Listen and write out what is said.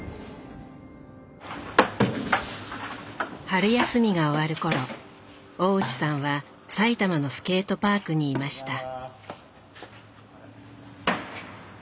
春休みが終わる頃大内さんは埼玉のスケートパークにいました。